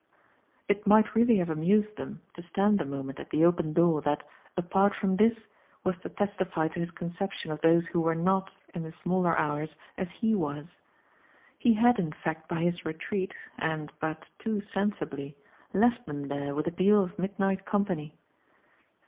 It might really have amused them to stand a moment at the open door that, apart from this, was to testify to his conception of those who were not, in the smaller hours, as HE was. He had in fact by his retreat and but too sensibly left them there with a deal of midnight company.